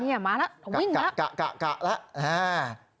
นี่มาแล้วของวิ่งแล้วกะแล้ว